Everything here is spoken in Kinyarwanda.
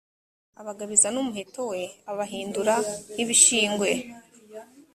abagabiza n umuheto we abahindura nk ibishingwe